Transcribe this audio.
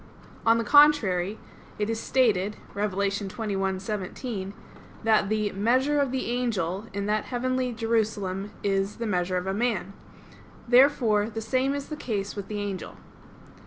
On the contrary, It is stated (Apoc. 21:17) that the "measure of the angel" in that heavenly Jerusalem is "the measure of a man." Therefore the same is the case with the angel.